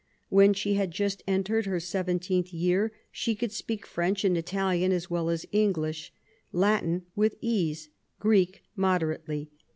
When she had just entered her seventeenth year she could speak French and Italian as well as English ; Latin with ease, Greek moderately.